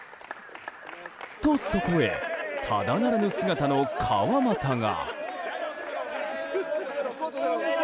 と、そこへただならぬ姿の川真田が。